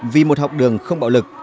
vì một học đường không bạo lực